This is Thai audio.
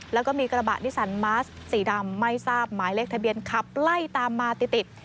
แล้วก็มีกระบะนิสันมาสสีดำไม่ทราบหมายเลขทะเบียนขับไล่ตามมาติดติด